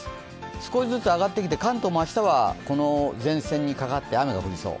少しずつ上がってきて、関東も明日はこの前線にかかって雨が降りそう。